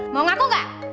mau ngaku gak